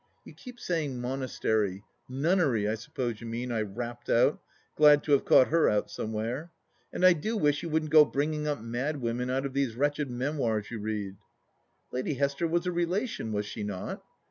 " You keep saying monastery — nunnery, I suppose you mean ?" I rapped out, glad to have caught her out some where. " And I do wish you wouldn't go bringing up mad women out of these wretched memoirs you read "" Lady Hester was a relation, was she not